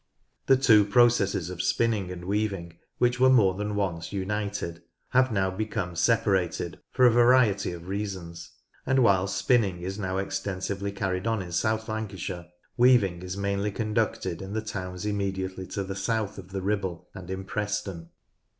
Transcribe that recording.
The two processes of spinning and weaving, which were more than once united, have now become separated for a variety of reasons, and while spinning is now extensively carried on in South Lancashire, weaving is mainly conducted in the towns immediately to the south of the Ribble, and in Preston.